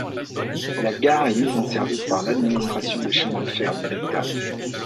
La gare est mise en service par l'Administration des chemins de fer de l'État.